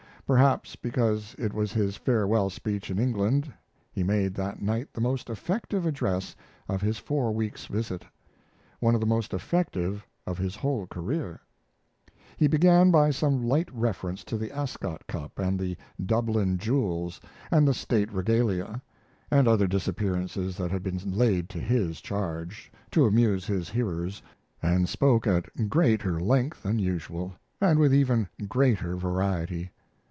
Perhaps because it was his farewell speech in England, he made that night the most effective address of his four weeks' visit one of the most effective of his whole career: He began by some light reference to the Ascot Cup and the Dublin Jewels and the State Regalia, and other disappearances that had been laid to his charge, to amuse his hearers, and spoke at greater length than usual, and with even greater variety.